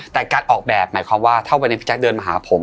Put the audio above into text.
แต่การออกแบบหมายความว่าถ้าวันนี้พี่แจ๊คเดินมาหาผม